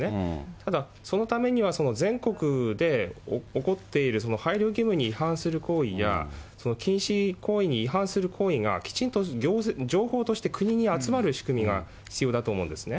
ただ、そのためには全国で起こっている配慮義務に違反する行為や、禁止行為に違反する行為がきちんと情報として国に集まる仕組みが必要だと思うんですね。